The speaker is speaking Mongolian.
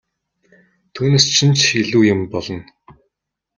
Түүнээс чинь ч илүү юм болно!